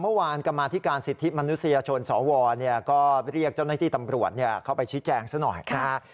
เมื่อวานกรรมอธิการสิทธิ์มนุษยชนสวก็เรียกเจ้าหน้าที่ตำรวจเข้าไปชิดแจงสักหน่อย